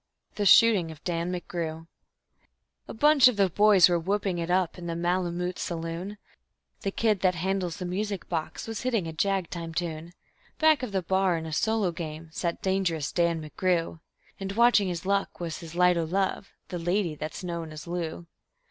The Shooting of Dan McGrew A bunch of the boys were whooping it up in the Malamute saloon; The kid that handles the music box was hitting a jag time tune; Back of the bar, in a solo game, sat Dangerous Dan McGrew, And watching his luck was his light o' love, the lady that's known as Lou.